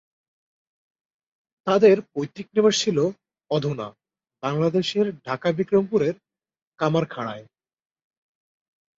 তাঁদের পৈতৃক নিবাস ছিল অধুনা বাংলাদেশের ঢাকা বিক্রমপুরের কামারখাড়ায়।